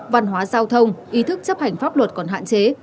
văn hóa giao thông ý thức chấp hành pháp luật còn hạn chế